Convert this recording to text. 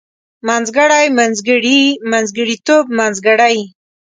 منځګړی منځګړي منځګړيتوب منځګړۍ